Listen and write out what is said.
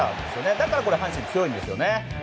だから阪神、強いんですよね。